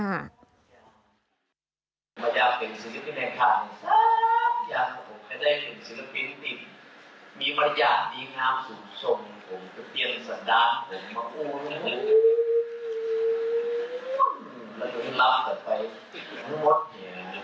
มารยาทเป็นศิลปินักภาจแสบอย่างให้ได้เป็นศิลปินติด